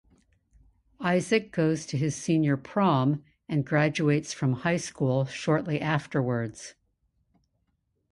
Isaac goes to his senior prom and graduates from high school shortly afterwards.